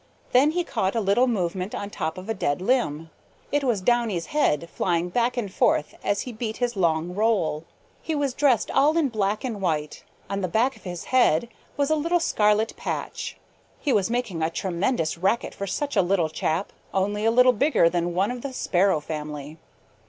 Then he caught a little movement on top of a dead limb. It was Downy's head flying back and forth as he beat his long roll. He was dressed all in black and white. On the back of his head was a little scarlet patch. He was making a tremendous racket for such a little chap, only a little bigger than one of the Sparrow family.